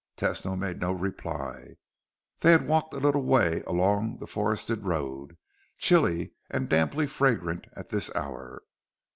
Tesno made no reply. They had walked a little way along the forested road, chilly and damply fragrant at this hour.